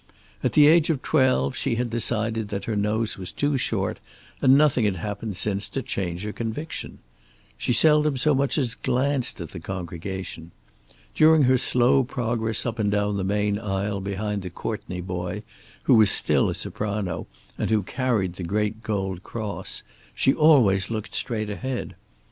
At the age of twelve she had decided that her nose was too short, and nothing had happened since to change her conviction. She seldom so much as glanced at the congregation. During her slow progress up and down the main aisle behind the Courtney boy, who was still a soprano and who carried the great gold cross, she always looked straight ahead.